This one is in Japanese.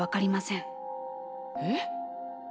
えっ？